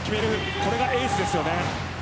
これがエースですよね。